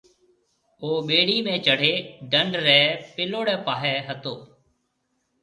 او ٻيڙِي ۾ چڙھيَََ دنڍ رَي پيلوڙَي پاھيََََ ھتو۔